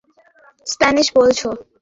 তুমি এখানে এসে স্প্যানিশ বলছো?